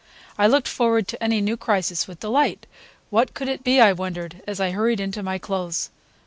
I looked forward to any new crisis with delight. What could it be, I wondered, as I hurried into my clothes.